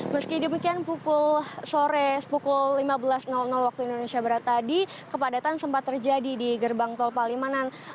meski demikian pukul sore pukul lima belas waktu indonesia barat tadi kepadatan sempat terjadi di gerbang tol palimanan